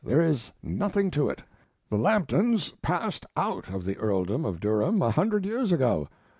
There is nothing to it. The Lamptons passed out of the earldom of Durham a hundred years ago.